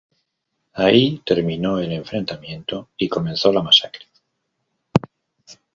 Ahí terminó el enfrentamiento y comenzó la masacre.